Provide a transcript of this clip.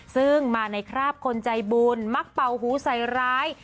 ซึ่งมาในคราบคนใจบุญมักเป่าหูใส่ร้าย